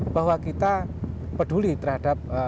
bahwa kita peduli terhadap